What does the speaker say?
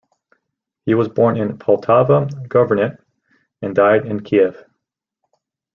He was born in Poltava Governorate and died in Kiev.